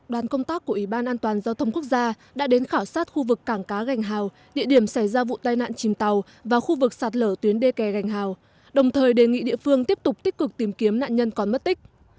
đoàn công tác của ủy ban an toàn giao thông quốc gia đã đến khảo sát khu vực cảng cá gành hào địa điểm xảy ra vụ tai nạn chìm tàu và khu vực sạt lở tuyến đê kènh hào đồng thời đề nghị địa phương tiếp tục tích cực tìm kiếm nạn nhân còn mất tích